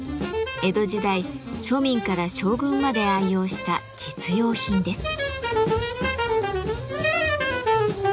江戸時代庶民から将軍まで愛用した「実用品」です。